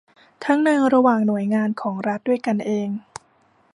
ทั้งในระหว่างหน่วยงานของรัฐด้วยกันเอง